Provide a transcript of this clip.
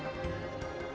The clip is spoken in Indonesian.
dia juga menangis